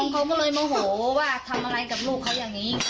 เขาก็เลยโมโหว่าทำอะไรกับลูกเขาอย่างนี้